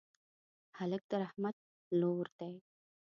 هلک د رحمت لور دی.